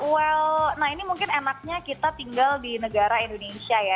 well nah ini mungkin enaknya kita tinggal di negara indonesia ya